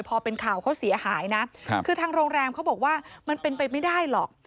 พอเป็นข่าวเขาเสียหายนะคือทางโรงแรมเขาบอกว่ามันเป็นไปไม่ได้หรอก